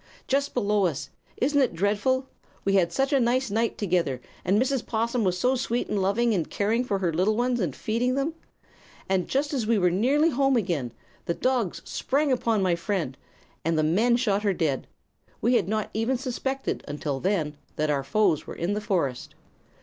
"Just below us. Isn't it dreadful? We had such a nice night together, and Mrs. 'Possum was so sweet and loving in caring for her little ones and feeding them! And, just as we were nearly home again, the dogs sprang upon my friend and the men shot her dead. We had not even suspected, until then, that our foes were in the forest."